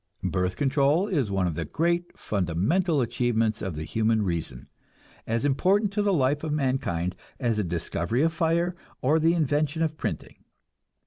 Birth control is one of the great fundamental achievements of the human reason, as important to the life of mankind as the discovery of fire or the invention of printing.